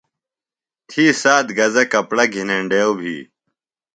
تھی سات گزہ کپڑہ گھِنینڈیوۡ بھی۔